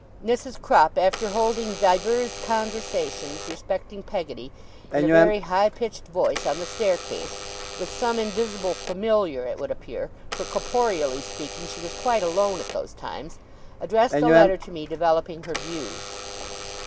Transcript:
Mrs. Crupp, after holding divers conversations respecting Peggotty, in a very high pitched voice, on the staircase with some invisible Familiar it would appear, for corporeally speaking she was quite alone at those times addressed a letter to me, developing her views.